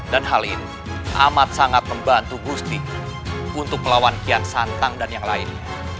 dan hal ini amat sangat membantu gusti untuk melawan kian santang dan yang lainnya